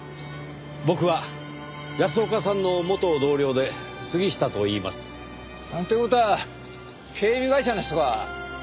僕は安岡さんの元同僚で杉下といいます。って事は警備会社の人か？